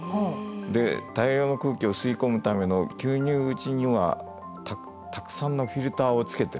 で大量の空気を吸い込むための吸入口にはたくさんのフィルターをつけてるわけですね。